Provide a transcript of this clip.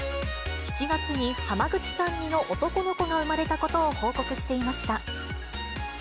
７月に濱口さん似の男の子が産まれたことを報告していました。